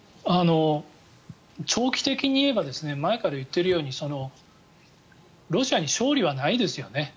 長期的に言えば前から言っているようにロシアに勝利はないですよね。